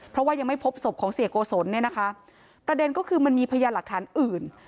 เพราะว่ายังไม่พบศพของเสียโกศลเนี่ยนะคะประเด็นก็คือมันมีพยานหลักฐานอื่น